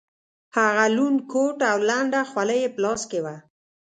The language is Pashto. هغه لوند کوټ او لنده خولۍ یې په لاس کې وه.